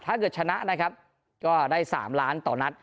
ถ้าเกิดชนะนะครับก็ได้๓ล้านต่อนัด